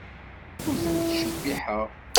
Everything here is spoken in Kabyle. Ur ten-ttcebbiḥeɣ.